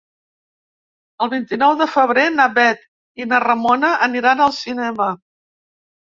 El vint-i-nou de febrer na Bet i na Ramona aniran al cinema.